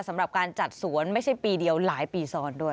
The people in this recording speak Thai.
สำหรับการจัดสวนไม่ใช่ปีเดียวหลายปีซ้อนด้วย